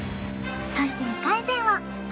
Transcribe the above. そして２回戦はＵ１６